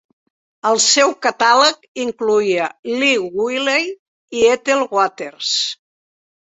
El seu catàleg incloïa Lee Wiley i Ethel Waters.